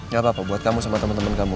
gak apa apa buat kamu sama temen temen kamu